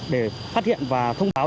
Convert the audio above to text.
để phát hiện và thông báo